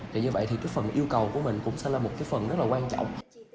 thì như vậy thì cái phần yêu cầu của mình cũng sẽ là một cái phần rất là quan trọng